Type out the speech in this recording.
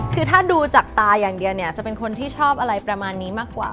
คือถ้าดูจากตาอย่างเดียวเนี่ยจะเป็นคนที่ชอบอะไรประมาณนี้มากกว่า